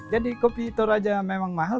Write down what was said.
jadi kopi toraja memang mahal